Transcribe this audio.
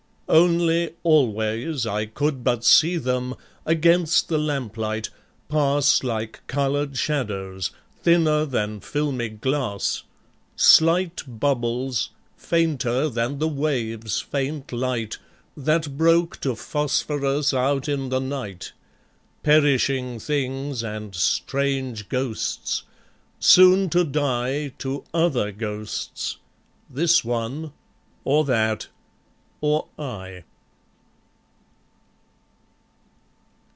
. Only, always, I could but see them against the lamplight pass Like coloured shadows, thinner than filmy glass, Slight bubbles, fainter than the wave's faint light, That broke to phosphorus out in the night, Perishing things and strange ghosts soon to die To other ghosts this one, or that or I.